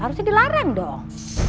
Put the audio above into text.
harusnya dilaren dong